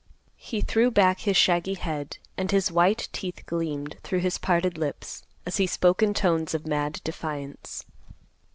He threw back his shaggy head, and his white teeth gleamed through his parted lips, as he spoke in tones of mad defiance.